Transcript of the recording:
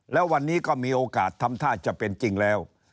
แล้ววันนี้ก็มีโอกาสทำท่าจะเป็นจริงแล้ว